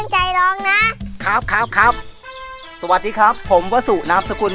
จังหวัดชะเต็งเศร้าอายุ๔๓ปี